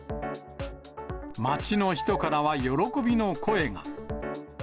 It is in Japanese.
街の人からは喜びの声が。